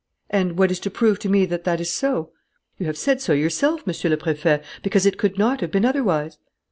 "And what is to prove to me that that is so?" "You have said so yourself, Monsieur le Préfet: because it could not have been otherwise."